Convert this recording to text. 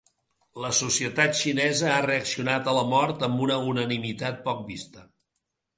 La societat xinesa ha reaccionat a la mort amb una unanimitat poc vista.